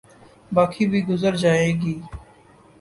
باقی بھی گزر جائے گی۔